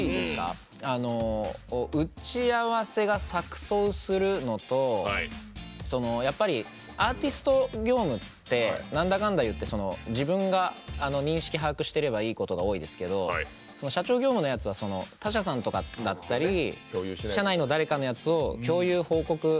打ち合わせが錯そうするのとアーティスト業務ってなんだかんだいって、自分が認識把握してればいいことが多いですけど、社長業務のやつは他社さんとかだったり社内の誰かのやつを共有・報告。